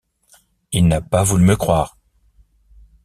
Il n’a pas voulu me croire.